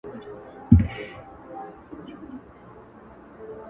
تر مزد ئې شکر دانه ډېره سوه.